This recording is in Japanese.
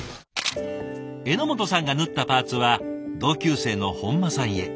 榎本さんが縫ったパーツは同級生の本間さんへ。